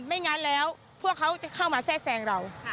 ไม่งั้นแล้วพวกเขาจะเข้ามาแทรกแซงเรา